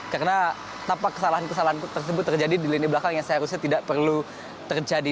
karena tampak kesalahan kesalahan tersebut terjadi di lini belakang yang seharusnya tidak perlu terjadi